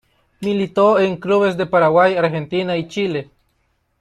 Militó en clubes de Paraguay, Argentina y Chile.